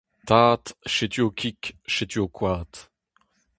Tad, setu ho kig, setu ho kwad.